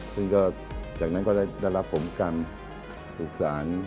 ซึ่งจากนั้นก็ได้รับผมกรรมสุขศาล